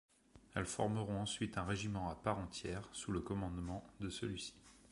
Elles formeront ensuite un régiment à part entière sous le commandement de celui-ci.